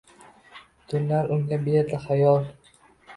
Tunlar unga berdi xayol